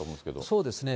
そうですね。